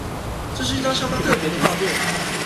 這是一張相當特別的畫作